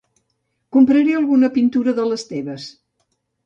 Compraré alguna pintura de les teves.